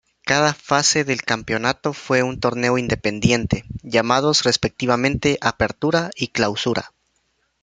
Cada fase del campeonato fue un torneo independiente, llamados respectivamente Apertura y Clausura.